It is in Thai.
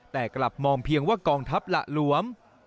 แต่กลับมองเพียงว่ากองทัพหละหลวม